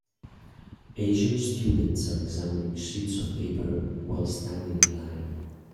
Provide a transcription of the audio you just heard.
Asian students are examining sheets of paper while standing in line.